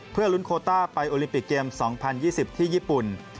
เพื่อลุ้นโคต้าไปโอลิมปิกเกม๒๐๒๐ที่ญี่ปุ่น